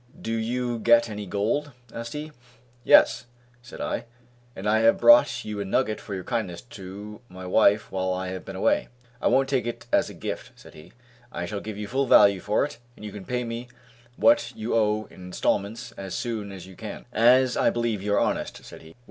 "Did you get any gold?" asked he. "Yes!" said I, "and I have brought you a nugget for your kindness to my wife while I have been away." "I won't take it as a gift," said he, "I shall give you full value for it and you can pay me what you owe in instalments as soon as you can, as I believe you are honest," said he.